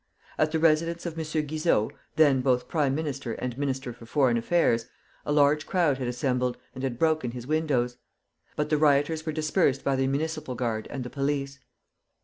At the residence of M. Guizot, then both Prime Minister and Minister for Foreign Affairs, a large crowd had assembled and had broken his windows; but the rioters were dispersed the Municipal Guard and the Police.